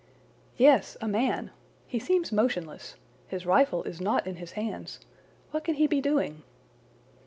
"Yes; a man! He seems motionless. His rifle is not in his hands. What can he be doing?"